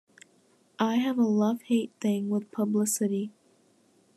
I have a love-hate thing with publicity.